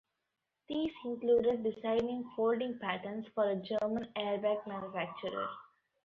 These included designing folding patterns for a German airbag manufacturer.